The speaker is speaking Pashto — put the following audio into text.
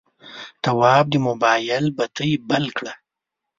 تواب د موبایل بتۍ بل کړه.